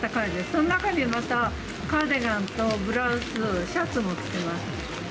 その中にまた、カーディガンとブラウス、シャツも着てます。